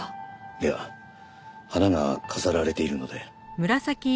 いや花が飾られているので。